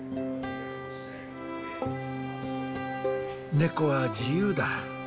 猫は自由だ。